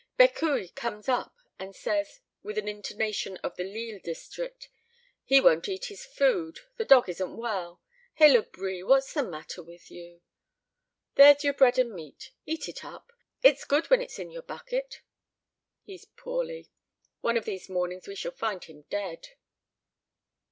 Becuwe comes up and says, with the intonation of the Lille district, "He won't eat his food; the dog isn't well. Hey, Labri, what's the matter with you? There's your bread and meat; eat it up; it's good when it's in your bucket. He's poorly. One of these mornings we shall find him dead."